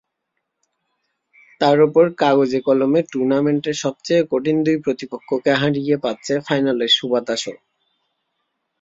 তার ওপর কাগজে-কলমে টুর্নামেন্টের সবচেয়ে কঠিন দুই প্রতিপক্ষকে হারিয়ে পাচ্ছে ফাইনালের সুবাতাসও।